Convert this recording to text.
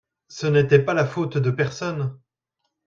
Ce n'était pas la faute de personne.